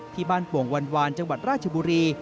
ที่บ้านโป่งวันจังหวัดราชบุรี